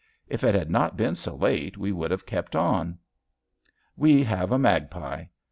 If it had not been so late we would have kept on. We have a magpie.